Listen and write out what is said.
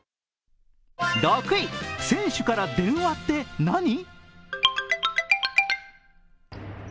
６位、選手から電話って何？